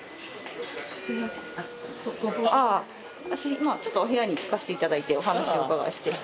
今ちょっとお部屋に行かせて頂いてお話をお伺いして。